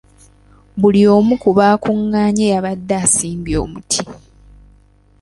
Buli omu ku baakunganye yabadde asimbye omuti.